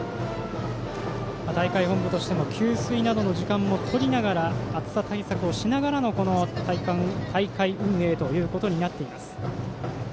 大会本部としても給水などの時間もとりながら暑さ対策をしながらの大会運営ということになっています。